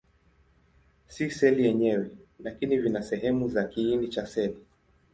Si seli yenyewe, lakini vina sehemu za kiini cha seli.